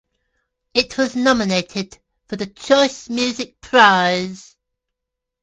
It was nominated for the Choice Music Prize.